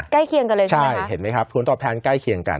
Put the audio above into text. เคียงกันเลยใช่ไหมใช่เห็นไหมครับผลตอบแทนใกล้เคียงกัน